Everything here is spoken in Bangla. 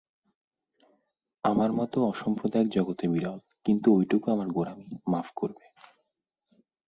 আমার মত অসাম্প্রদায়িক জগতে বিরল, কিন্তু ঐটুকু আমার গোঁড়ামি, মাফ করবে।